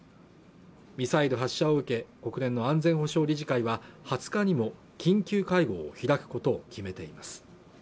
ミサイル発射を受け国連の安全保障理事会は２０日にも緊急会合を開くことを決めています